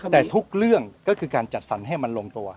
แต่ทุกเรื่องก็คือการจัดสรรให้มันลงตัว